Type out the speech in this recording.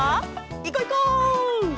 いこういこう！